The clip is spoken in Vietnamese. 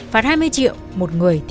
phạt hai mươi triệu một người